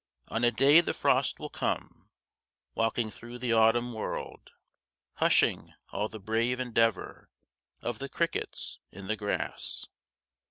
On a day the frost will come, 5 Walking through the autumn world, Hushing all the brave endeavour Of the crickets in the grass.